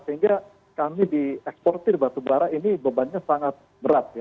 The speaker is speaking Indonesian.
sehingga kami di eksportir batubara ini bebannya sangat berat ya